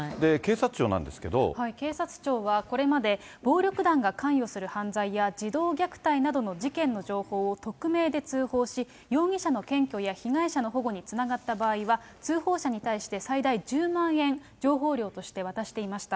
警察庁はこれまで、暴力団が関与する犯罪や児童虐待などの事件の情報を匿名で通報し、容疑者の検挙や被害者の保護につながった場合は、通報者に対して最大１０万円、情報料として渡していました。